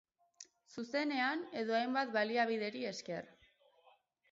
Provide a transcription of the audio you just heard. Zuzenean edo hainbat baliabideei esker.